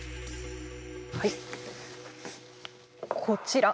はいこちら。